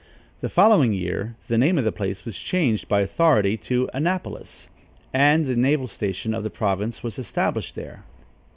The following year, the name of the place was changed by authority to Annapolis, and the naval station of the province was established there.